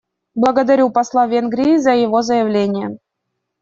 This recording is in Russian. Благодарю посла Венгрии за его заявление.